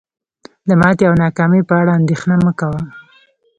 د ماتې او ناکامۍ په اړه اندیښنه مه کوه.